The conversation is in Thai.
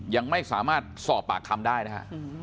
ยังไม่สามารถสอบปากคำได้นะฮะ